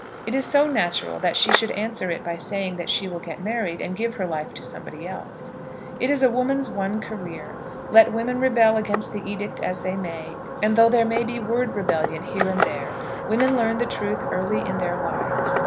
it is so natural that she should answer it by saying that she will get married, and give her life to somebody else. It is a woman's one career let women rebel against the edict as they may; and though there may be word rebellion here and there, women learn the truth early in their lives.